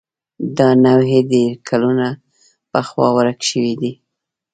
دا نوعې ډېر کلونه پخوا ورکې شوې دي.